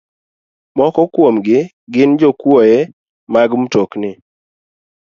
Moko kuomgi gin jokwoye mag mtokni,